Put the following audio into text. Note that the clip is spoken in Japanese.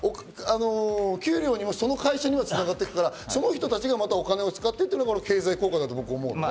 給料にもその会社にも繋がっていくから、その人たちがまたお金を使ってっていうのが経済効果だと思うのね。